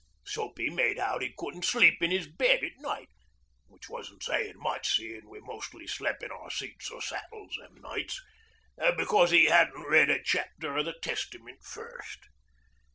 Soapy made out 'e couldn't sleep in 'is bed at night which wasn't sayin' much, seein' we mostly slep' in our seats or saddles them nights becos 'e hadn't read a chapter o' the Testament first.